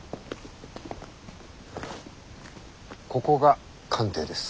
ここが官邸です。